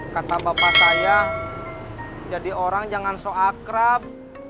kata bapak saya jadi orang jangan so akrab